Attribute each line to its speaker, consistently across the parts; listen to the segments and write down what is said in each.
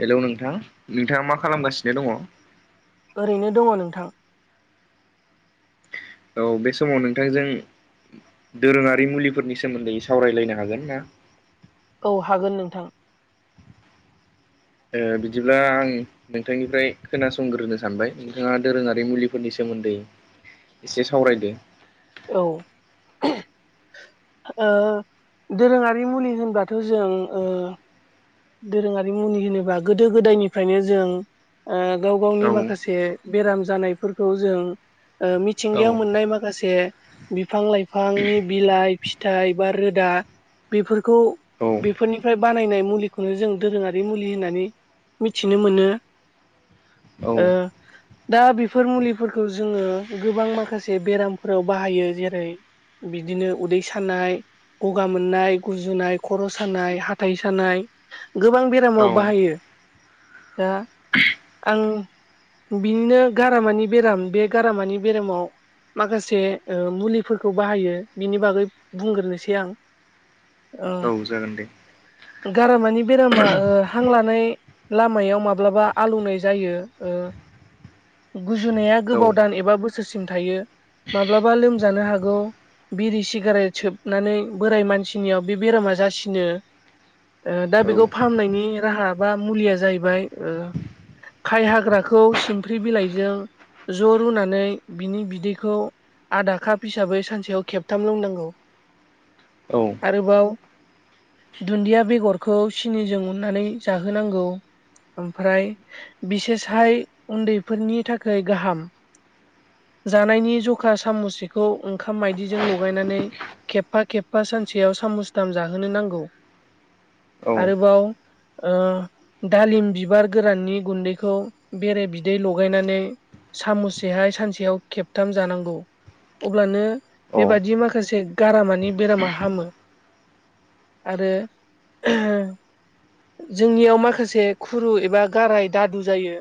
Speaker 1: Hello नोंथां, नोंथाङा मा खालामगासिनो दङ?
Speaker 2: ओरैनो दङ नोंथां।
Speaker 1: औ बे समाव नोंथांजों दोरोङारि मुलिफोरनि सोमोन्दै सावरायलायनो हागोन ना?
Speaker 2: औ हागोन नोंथां।
Speaker 1: बिदिब्ला आं नोंथांनिफ्राय खोनासंग्रोनो सानबाय नोंथाङा दोरोङारि मुलिफोरनि सोमोन्दै एसे सावरायदो।
Speaker 2: औ। ओ दोरोङारि मुलि होनबाथ' जों ओ दोरोङारि मुनि होनोबा गोदो गोदायनिफ्रायनो जों ओ गाव
Speaker 1: औ
Speaker 2: गावनि माखासे बेराम जानायफोरखौ जों
Speaker 1: औ
Speaker 2: मिथिंगायाव मोननाय माखासे बिफां-लाइफांनि बिलाइ, फिथाइ, बा रोदा, बेफोरखौ
Speaker 1: औ
Speaker 2: बेफोरनिफ्राय बानायनाय मुलिखौनो जों दोरोङारि मुलि होननानै मिथिनो मोनो।
Speaker 1: औ
Speaker 2: दा बेफोर मुलिफोरखौ जोङो गोबां माखासे बेरामफोराव बाहायो। जेरै- बिदिनो उदै सानाय, गगा मोननाय, गुजुनाय, खर' सानाय, हाथाइ सानाय, गोबां
Speaker 1: औ
Speaker 2: बेरामाव बाहायो। दा आं बिनिनो गारामानि बेराम बे गारामानि बेरामाव माखासे ओ मुलिफोरखौ बाहायो बिनि बागै बुंग्रोनोसै आं।
Speaker 1: औ जागोन दे
Speaker 2: ओ गारामानि बेरामा हांला नाय लामायाव माब्लाबा आलौनाय जायो। गुजुनाया
Speaker 1: औ
Speaker 2: गोबाव दान एबा बोसोरसिम थायो। माब्लाबा लोमजानो हागौ बिरि सिगारेट सोबनानै बोराय मानसिनियाव बे बेरामा जासिनो। दा
Speaker 1: औ
Speaker 2: बेखौ फाहामनायनि राहा बा मुलिया जाहैबाय खाय हाग्राखौ सिमफ्रि बिलाइजों ज' रुनानै बिनि बिदैखौ आधा काप हिसाबै सानसेयाव खेबथाम लोंनांगौ
Speaker 1: औ
Speaker 2: आरोबाव दुन्दिया बेगरखौ सिनिजों उननानै जाहोनांगौ ओमफ्राय बिसेसहाय उन्दैफोरनि थाखाय गाहाम जानायनि जखा सामुसेखौ ओंखाम मायदिजों लगायनानै खेबफा खेबफा सानसेयाव सामुसथाम जाहोनो नांगौ
Speaker 1: औ अ औ
Speaker 2: आरोबाव दालिम बिबार गोराननि गुन्दैखौ बेरे बिदै लगायनानै सामुसेहाय सानसेयाव खेबथाम जानांगौ अब्लानो
Speaker 1: औ
Speaker 2: बेबादि माखासे गारामानि बेरामा हामो आरो जोंनियाव माखासे खुरु एबा गाराय दादु जायो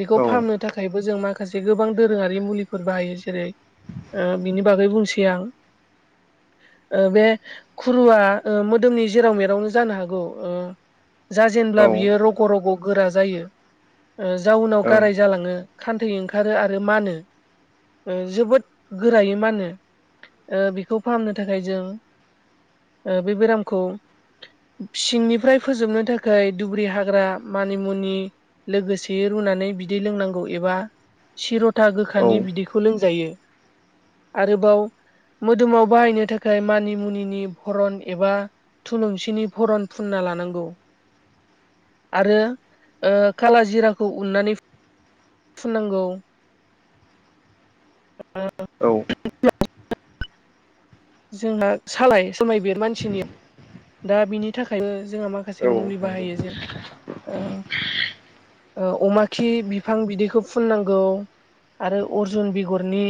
Speaker 2: बेखौ
Speaker 1: ओं
Speaker 2: फाहामनो थाखायबो जों माखासे गोबां दोरोङारि मुलिफोर बाहायो जेरै बिनि बागै बुंसै आं बे खुरुआ मोदोमनि जेराव मेरावनो जानो हागौ
Speaker 1: औ
Speaker 2: जाजेनब्ला बियो रग' रग' गोरा जायो जाउनाव
Speaker 1: औ
Speaker 2: गाराय जालाङो खान्थै ओंखारो आरो मा होनो जोबोद गोरायै मा होनो बेखौ फाहामनो थाखाय जों बे बेरामखौ सिंनिफ्राय फोजोबनो थाखाय दुब्रि हाग्रा मानिमुनि लोगोसे रुनानै बिदै लोंनांगौ एबा सिर'था गोखानि बिदैखौ लों- जायो आरोबाव मोदोमाव बाहायनो थाखाय मानि मुनिनि भरन एबा थुलुंसिनि भरन फुनना लानांगौ आरो खाला जिराखौ उननानै फुननांगौ अ
Speaker 1: औ
Speaker 2: [inaudible] जोंहा सालाय सालमाय बेरो मानसिनि- दा बिनि थाखायबो जोंहा माखासे
Speaker 1: औ
Speaker 2: मुलि
Speaker 1: नंगौ
Speaker 2: बाहायो जेरै अमाखिनि बिफां बिदैखौ फुननांगौ आरो अर्जुन बिगुरनि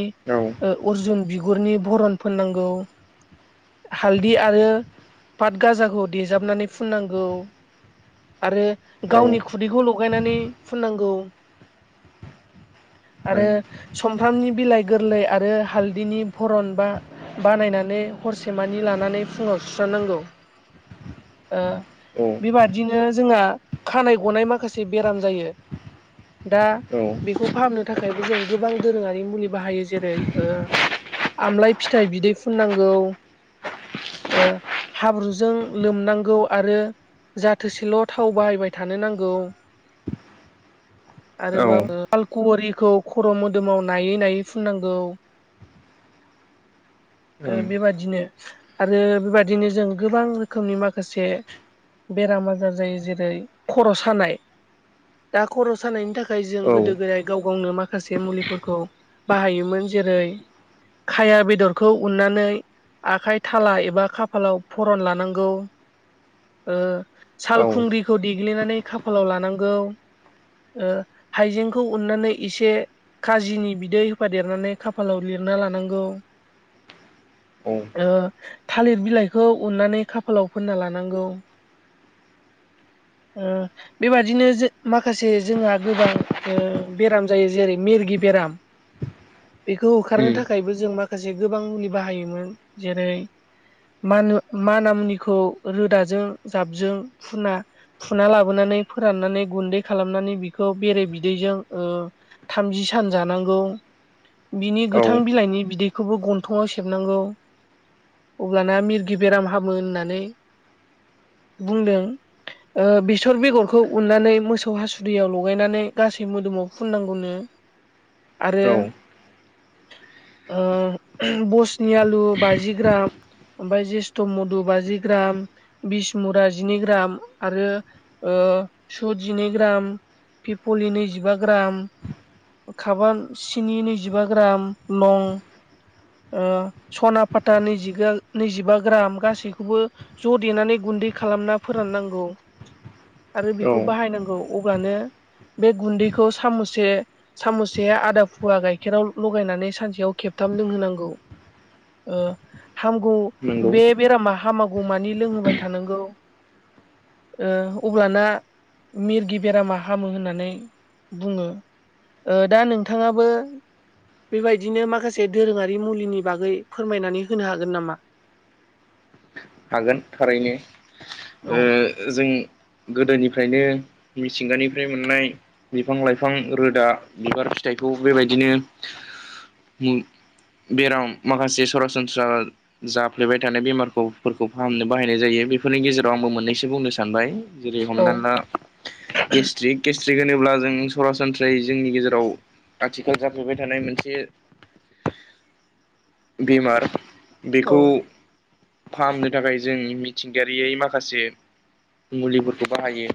Speaker 2: अर्जुन बिगुरनि भरन फोननांगौ हालदि आरो पाट गाजाखौ देजाबनानै फुननांगौ आरो
Speaker 1: औ ओं
Speaker 2: गावनि खुदैखौ लगायनानै फुननांगौ
Speaker 1: औ
Speaker 2: आरो सुमफ्रामनि बिलाइ गोरलै आरो हालदैनि भरन बा बानायनानै ने हरसेमानि लानानै फुङाव सुस्रांनांगौ बेबादिनो जोंहा खानाय गनाय माखासे बेराम जायो दा
Speaker 1: औ
Speaker 2: बेखौ फाहामनो थाखायबो जों गोबां दोरोङारि मुलि बाहायो जेरै आमलाय फिथाइ बिदै फुननांगौ हाब्रुजों लोमनांगौ आरो जाथोसेल' थाव बाहायबाय थानो नांगौ आरोबाव फालखुवरिखौ खर' मोदोमाव नायै नायै फुननांगौ
Speaker 1: ओं
Speaker 2: बेबादिनो आरो बेबादिनो बेराम आजार जायो जेरै खर' सानाय दा खर' सानायनि थाखाय जों गोदो गोदायनि- गाव गावनो माखासे मुलिफोरखौ बाहायोमोन जेरै खाया बेदर खौ उननानै आखाय थाला एबा खाफालाव फरन लानांगौ
Speaker 1: औ
Speaker 2: सालखुंग्रिखौ देग्लिनानै खाफालाव लानांगौ ओ हाइजेंखौ उननानै एसे खाजिनि बिदै होफादेरनानै खाफालाव लिरना लानांगौ
Speaker 1: औ
Speaker 2: ओ थालिर बिलाइखौ उननानै खाफालाव फोनना लानांगौ ओ बेबादिनो जे माखासे जोंहा गोबां ओ बेराम जायो जेरै मेरगि बेराम बेखौ होखारनो
Speaker 1: उम
Speaker 2: थाखायबो जों माखासे गोबां मुलि बाहायोमोन जेरै माना-मानामुनिखौ रोदाजों जाबजों फुना फुना लाबोनानै फोराननानै गुन्दै खालामनानै बिखौ बेरे बिदैजों ओ थामजि सान जानांगौ बिनि
Speaker 1: औ
Speaker 2: गोथां बिलाइनि बिदै खौबो गन्थङाव सेबनांगौ अब्लाना मिरगि बेराम हामो होननानै बुंदों। ओ बेसर बेगरखौ उननानै मोसौ हासुदियाव लगायनानै गासै मोदोमाव फुननांगौनो। आरो ओ बस्नि आलु बाजि ग्राम ओमफ्राय जेस्थ' मधु बाजि ग्राम बिसमुरा जिनै ग्राम आरो ओ सुद जिनै ग्राम पिपलि नैजिबा ग्राम खाबा सिनि नैजिबा ग्राम लं ओ सना फाथा नैजि नैजिबा ग्राम गासैखौबो ज' देनानै गुन्दै खालामना फोराननांगौ आरो
Speaker 1: औ
Speaker 2: बेखौ बाहायनांगौ। अगानो बे गुन्दैखौ साम'से साम'से आदा फुवा गाइखेराव लगायनानै सानसेयाव खेब थाम लोंहोनांगौ ओ हामगौ
Speaker 1: नंगौ
Speaker 2: बे बेरामा हामा गौ मानि लोंहोबाय थानांगौ। ओ अब्लाना मिरगि बेरामा हामो होननानै बुङो ओ दा नोंथाङाबो बेबायदिनो माखा से दोरोङारि मुलिनि बागै फोरमायनानै होनो हागोन नामा?
Speaker 1: हागोन थारैनो
Speaker 2: औ
Speaker 1: ओ जों गोदोनिफ्रायनो मिथिंगानिफ्राय मोननाय बिफां-लाइफां रोदा, बिबार, फिथाइखौ बेबायदिनो उ बेराम माखासे सरासनस्रा जाफ्लेबाय थानाय बेमारखौ फोरखौ फाहामनो बाहायनाय जायो बेफोरनि गेजेराव आंबो मोननैसो बुंनो सानबाय जेरै
Speaker 2: औ
Speaker 1: हमनानै ला गेस्ट्रिक गेस्ट्रिक होनोब्ला जों सरासनस्रायै जोंनि गेजेराव आथिखाल जाफैबाय थानाय मोनसे बेमार
Speaker 2: औ
Speaker 1: बेखौ फाहामनो थाखाय जों मिथिंगायारि माखासे मुलिफोरखौ बाहायो।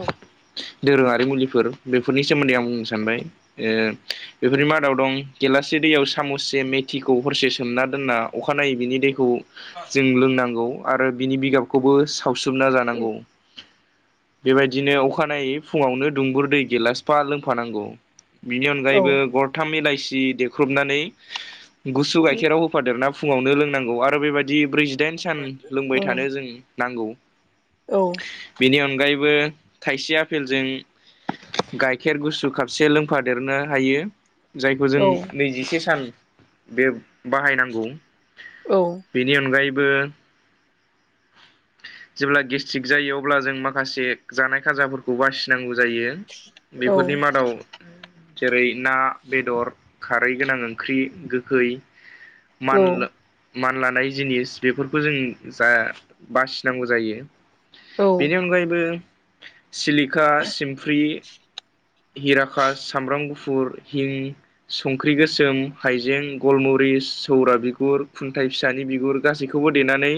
Speaker 2: औ
Speaker 1: दोरोङारि मुलिफोर बेफोरनि सोमोन्दै आं बुंनो सानबाय ओ बेफोरनि मादाव दं गेलासे दैयाव सामससे मे थिखौ हरसे सोमना दोनना अखानायै बिनि दैखौ जों लोंनांगौ आरो बिनि बिगाबखौबो सावसोमना जानांगौ। बेबायदिनो अखानायै फुङावनो दुंगुर दै गेलासफा लोंफानांगौ। बिनि
Speaker 2: औ
Speaker 1: अनगायैबो गरथाम इलाइसि देख्रुबनानै गुसु गाइखेराव होफादेरना फुङावनो लोंनांगौ आरो बेबायदि ब्रैजिदाइन सान लोंबाय थानो जों नांगौ
Speaker 2: औ
Speaker 1: बेनि अनगायैबो खायसे आफेलजों गाइखेर गुसु खापसे लोंफादेरनो हायो जायखौ जों
Speaker 2: औ
Speaker 1: नैजिसे सान बे बाहायनांगौ बेनि अनगायैबो
Speaker 2: [inaudible]
Speaker 1: जेब्ला गेस्ट्रिक जायो अब्ला जों माखासे जानाय खाजाफोरखौ बासिनांगौ जायो। बेफोरनि मादाव जेरै ना, बेदर, खारै गोनां ओंख्रि, गोखै मान
Speaker 2: औ
Speaker 1: ला मान लानाय जिनिस बेफोरखौ जों जा बासिनांगौ जायो। बेनि अनगायैबो सिलिखा, सिमफ्रि हिराकास सामब्राम गुफुर हिं संख्रि गोसोम, हाइजें, गलमरिस, सौरा बिगुर, खुन्थाय फिसानि बिगुर गासैखौबो देनानै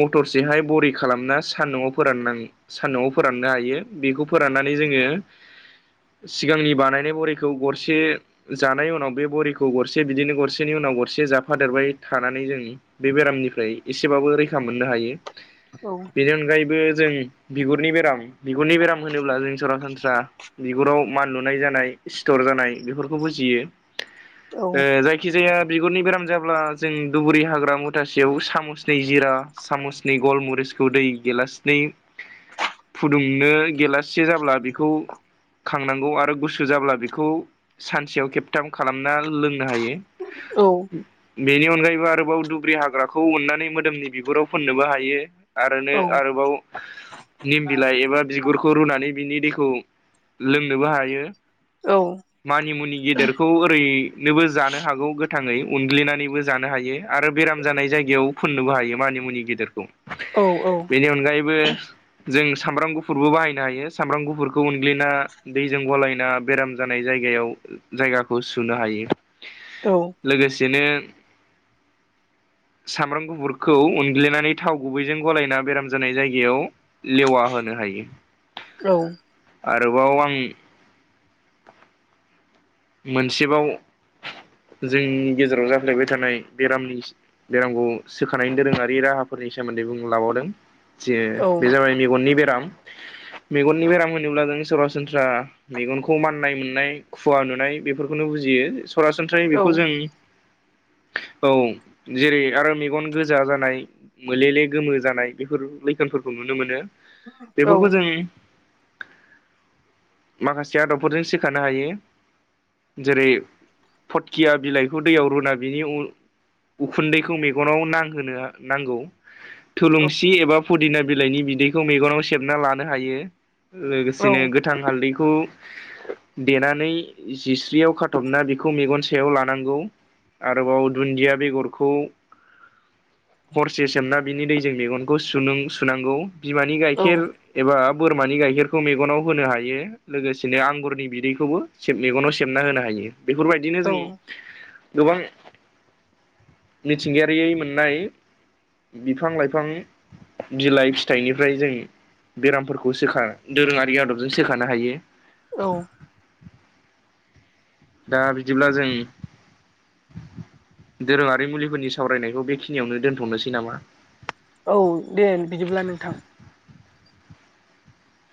Speaker 1: मथरसेहाय बरि खालामना सान्दुआव फोराननाङो सानदुंआव फोराननो हायो बेखौ फोराननानै जोङो सिगांनि बानायनाय बरिखौ गरसे जानाय उनाव बे बरिखौ गरसे बिदिनो गरसेनि उनाव गरसे जाफादेरबाय थानानै जों बे बेरामनिफ्राय एसेबाबो रैखा मोननो हायो।
Speaker 2: औ।
Speaker 1: बेनि अनगायैबो जों बिगुरनि बेराम बिगुरनि बेराम होनोब्ला जों सरासनस्रा बिगुराव मान लुनाय जानाय, सिथर जानाय बेफोरखौ बुजियो ओ
Speaker 2: औ
Speaker 1: जाय जायखिजाया बिगुरनि बेराम जाब्ला जों दुबुरि हाग्रा मुथासेयाव सामुसनै जिरा सामुसनि गलमुरिसखौ दै गेलासनै फुदुंनो गेलाससे जाब्ला बेखौ खांनांगौ आरो गुसु जाब्ला बेखौ सानसेयाव खेबथाम खालामना लोंनो हायो।
Speaker 2: औ।
Speaker 1: बेनि अनगायैबो आरोबाव दुब्रि हाग्राखौ अननानै मोदोमनि बिगुराव फोननोबो हायो।
Speaker 2: औ
Speaker 1: आरोनो आरोबाव निम बिलाइ एबा बिगुरखौ रुनानै बिनि दैखौ लोंनोबो हायो।
Speaker 2: औ।
Speaker 1: मानि मुनि गेदेरखौ ओरैनोबो जानो हागौ गोथाङै उनग्लिनानैबो जानो हायो। आरो बेराम जानाय जायगायावबो फुननोबो हायो मानि मुनि गेदेरखौ
Speaker 2: औ।
Speaker 1: बेनि अनगायैबो जों सामब्राम गुफुरबो बाहायनो हायो सामब्राम गुफुरखौ उनग्लिना दैजों गलायना बेराम जानाय जायगायाव जायगाखौ सुनो हायो।
Speaker 2: औ।
Speaker 1: लोगोसेनो
Speaker 2: [inaudible]
Speaker 1: सामब्राम गुफुरखौ उनग्लिनानै थाव गुबैजों गलायना बेराम जानाय जायगायाव लेवा होनो हायो।
Speaker 2: औ।
Speaker 1: आरोबाव आं मोनसेबाव जोंनि गेजेराव जाफ्लेबाय थानाय बेरामनि बेरामखौ सोखानायनि दोरोङारि राहाफोरनि सोमोन्दै बुं लाबावदों जे
Speaker 2: औ
Speaker 1: बे जाबाय मेगननि बेराम मेगननि बेराम होनोब्ला जों सरासनस्रा मेगनखौ माननाय मोननाय खुवा नु नाय बेफोरखौनो बुजियो सरासनस्रायै
Speaker 2: औ
Speaker 1: बेखौ जों औ जेरै आरो मेगन गोजा जानाय मोले ले गोमो जानाय बेफोर लैखोनफोरखौ नुनो मोनो बेफोरखौ जों माखासे आदबफोरजों सोखानो हायो। जेरै फटकिया बिलाइखौ दैयाव रुना बिनि उन‌ उखुन्दैखौ मेगनाव नांहोनो नांगौ। थुलुंसि एबा फुदिना बिलाइनि बिदैखौ मेगनाव सेबना लानो हायो लोगोसेनो गोथां हालदैखौ देनानै जिस्रियाव खाथबना बेखौ मेगन सायाव लानांगौ। आरोबाव दुन्दिया बेगरखौ हरसे सोमना बिनि दैजों मेगनखौ सुनांगौ बिमानि
Speaker 2: औ
Speaker 1: गाइखेर एबा बोरमानि गाइखेरखौ मेगनाव होनो हायो लोगोसेनो आंगुरनि बिदैखौबो मेगनाव सेबना होनो हायो बेफोरबायदिनो जों गोबां मिथिंगायारि मोननाय बिफां लाइफां बिलाइ फिथाइनिफ्राय जों बेरामफोरखौ सोखा दोरोङारि आदबजों सोखानो हायो
Speaker 2: औ
Speaker 1: दा बिदिब्ला जों दोरोङारि मुलिफोरनि सावरायनायखौ बेखिनियावनो दोनथ'नोसै नामा
Speaker 2: औ दे बिदिब्ला नोंथां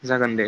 Speaker 1: जागोन दे